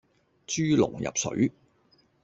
豬籠入水